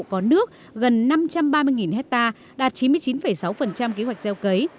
có nước gần năm trăm ba mươi hectare đạt chín mươi chín sáu kế hoạch gieo cấy